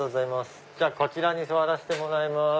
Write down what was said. じゃあこちらに座らせてもらいます。